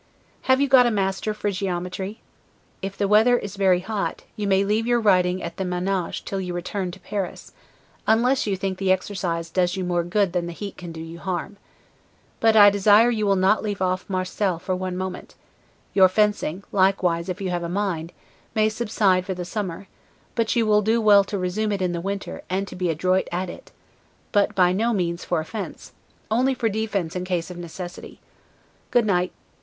Have you got a master for geometry? If the weather is very hot, you may leave your riding at the 'manege' till you return to Paris, unless you think the exercise does you more good than the heat can do you harm; but I desire you will not leave off Marcel for one moment; your fencing likewise, if you have a mind, may subside for the summer; but you will do well to resume it in the winter and to be adroit at it, but by no means for offense, only for defense in case of necessity. Good night.